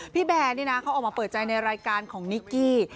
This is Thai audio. พี่แบร์เพิ่มใจในรายการของนิขี้